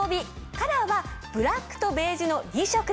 カラーはブラックとベージュの２色です。